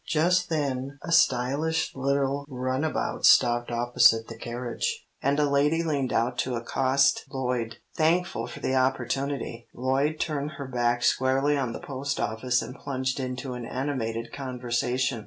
Just then a stylish little runabout stopped opposite the carriage, and a lady leaned out to accost Lloyd. Thankful for the opportunity, Lloyd turned her back squarely on the post office and plunged into an animated conversation.